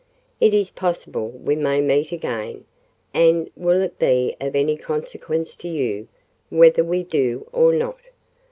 "It is possible we may meet again," and "will it be of any consequence to you whether we do or not?"